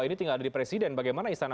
ini tinggal di presiden bagaimana istana